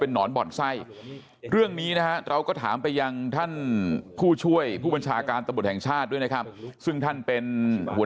หนอนบ่อนไส้เรื่องนี้นะฮะเราก็ถามไปยังท่านผู้ช่วยผู้บัญชาการตำรวจแห่งชาติด้วยนะครับซึ่งท่านเป็นหัว